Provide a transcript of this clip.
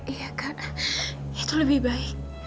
iya karena itu lebih baik